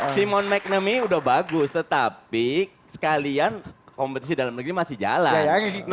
simon mcname udah bagus tetapi sekalian kompetisi dalam negeri masih jalan